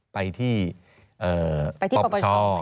ไปที่ปรบชอบเหมือนกัน